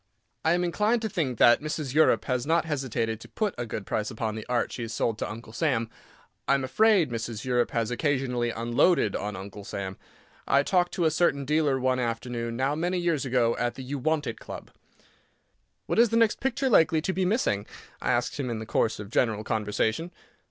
I am inclined to think that Mrs. Europe has not hesitated to put a good price upon the art she has sold to Uncle Sam. I am afraid Mrs. Europe has occasionally "unloaded" on Uncle Sam. I talked to a certain dealer one afternoon, now many years ago, at the Uwantit Club. "What is the next picture likely to be missing?" I asked him in the course of general conversation.